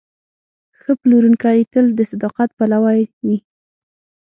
ښه پلورونکی تل د صداقت پلوی وي.